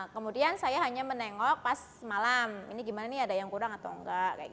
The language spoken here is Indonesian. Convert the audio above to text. kemudian saya hanya menengok pas malam ini gimana nih ada yang kurang atau enggak